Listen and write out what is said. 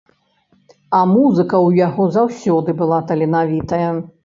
А музыка ў яго заўсёды была таленавітая.